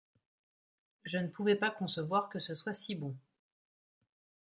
Je ne pouvais pas concevoir que ce soit si bon.